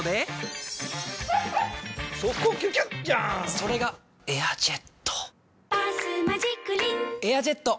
それが「エアジェット」「バスマジックリン」「エアジェット」！